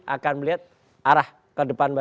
akan melihat arah ke depan